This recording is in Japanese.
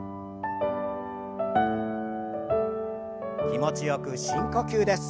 気持ちよく深呼吸です。